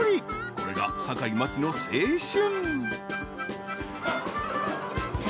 ［これが坂井真紀の青春］